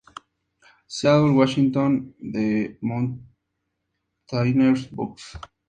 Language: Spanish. Seattle, Washington: The Mountaineers Books.